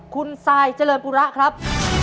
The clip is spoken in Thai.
คุณซายเจริญปุระครับ